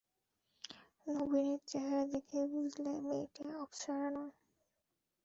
নবীনের চেহারা দেখেই বুঝলে, মেয়েটি অপ্সরা নয়।